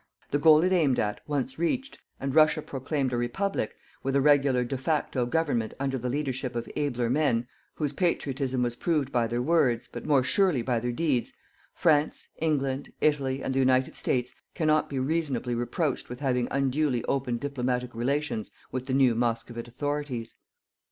The goal it aimed at, once reached, and Russia proclaimed a Republic, with a regular de facto government under the leadership of abler men, whose patriotism was proved by their words, but more surely by their deeds, France, England, Italy and the United States cannot be reasonably reproached with having unduly opened diplomatic relations with the new Moscovite authorities.